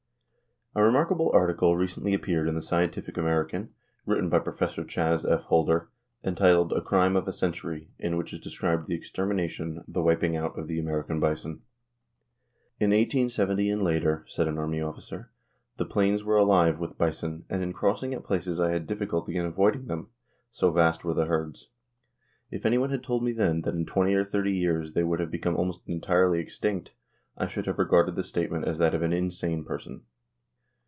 A remarkable article recently appeared in the Scientific American, written by Prof. Chas. F. Holder, entitled, "A Crime of a Century," in which is described the extermination, the wiping out of the American bison. "In 1870, and later," said an army officer, "the plains were alive with bison, and in crossing at places I had difficulty in avoiding them, so vast were the herds. If anyone had told me then that in twenty or thirty years they would have become almost entirely extinct I should have regarded the statement as that of an insane person."